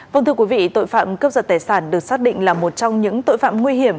vâng thưa quý vị tội phạm cướp giật tài sản được xác định là một trong những tội phạm nguy hiểm